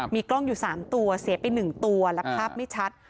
มีกล้องอยู่๓ตัวเสียไป๑ตัวและภาพไม่ชัด